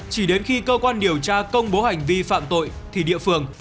chỉ đến khi cơ quan điều tra công bố hành vi phạm tội thì địa phương